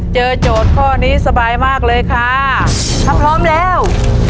โจทย์ข้อนี้สบายมากเลยค่ะถ้าพร้อมแล้ว